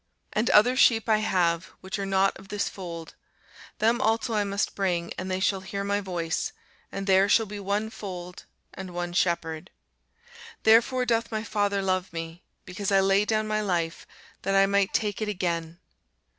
And other sheep I have, which are not of this fold: them also I must bring, and they shall hear my voice; and there shall be one fold, and one shepherd. Therefore doth my Father love me, because I lay down my life, that I might take it again.